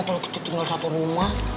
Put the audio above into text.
kalau kita tinggal satu rumah